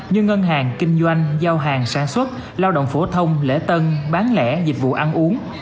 như ngân hàng kinh doanh giao hàng sản xuất lao động phổ thông lễ tân bán lẻ dịch vụ ăn uống